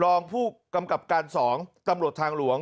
รองผู้กำกับการ๒ตำรวจทางหลวง